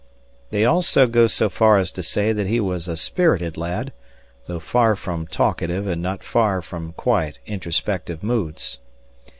They also go so far as to say that he was a spirited lad, although far from 'talkative' and not far from quiet, introspective moods.